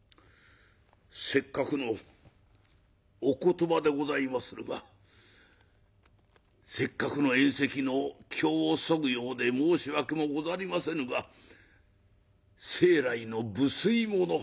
「せっかくのお言葉でございまするがせっかくの宴席の興をそぐようで申し訳もござりませぬが生来の不粋者。